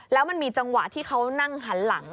แล้วมันมีจังหวะที่เขานั่งหันหลัง